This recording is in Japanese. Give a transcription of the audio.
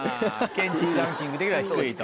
ケンティーランキング的には低いと。